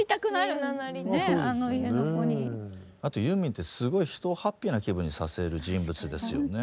あとユーミンってすごい人をハッピーな気分にさせる人物ですよね